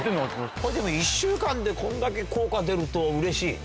これでも１週間でこんだけ効果出るとうれしいね。